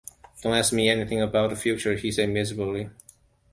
“Don’t ask me anything about the future,” he said miserably.